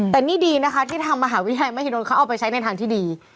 แต่นี่ดีนะคะที่ทางมหาวิทยาลัยมหิดลเขาเอาไปใช้ในทางที่ดี